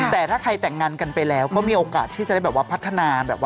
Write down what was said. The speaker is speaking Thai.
แต่ถ้าใครแต่งงานกันไปแล้วก็มีโอกาสที่จะได้แบบว่าพัฒนาแบบว่า